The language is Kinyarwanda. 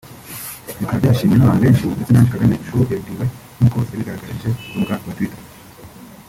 bikaba byashimwe n’abantu benshi ndetse na Ange Kagame ubwe yabibwiwe nk’uko yabigaragaje ku rubuga rwa twitter